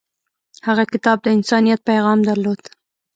هغه کتاب د انسانیت پیغام درلود.